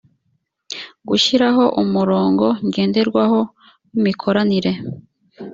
gushyiraho umurongo ngenderwaho w imikoranire